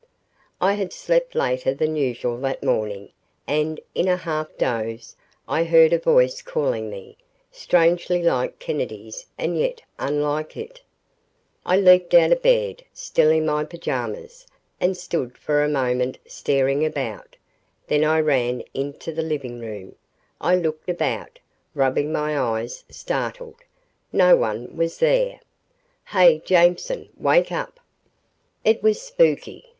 I had slept later than usual that morning and, in a half doze, I heard a voice calling me, strangely like Kennedy's and yet unlike it. I leaped out of bed, still in my pajamas, and stood for a moment staring about. Then I ran into the living room. I looked about, rubbing my eyes, startled. No one was there. "Hey Jameson wake up!" It was spooky.